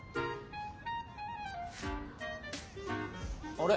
あれ？